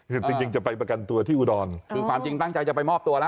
คือจริงจริงจะไปประกันตัวที่อุดรคือความจริงตั้งใจจะไปมอบตัวแล้ว